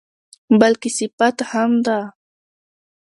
بلکې صفت هم ده.